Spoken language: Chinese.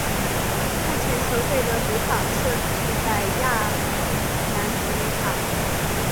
目前球队的主场设立在莎亚南体育场。